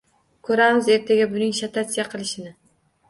Ko‘ramiz ertaga buning shatatsya qilishini